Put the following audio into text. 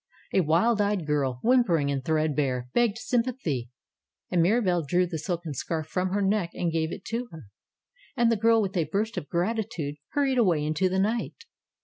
A wild eyed girl, whimpering and threadbare, begged sympathy, and Mirabelle drew the silken scarf from her neck and gave it to her. And the girl, with a burst of gratitude, hurried away into the night.